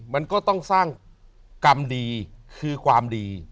มันก็ต้องสร้างกรรมดีคือความดี